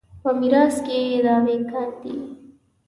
په میراث یې دعوې کاندي.